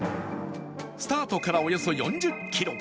スタートからおよそ４０キロ